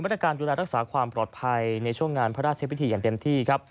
หรับพระราชพิธีอย่างเต็มที่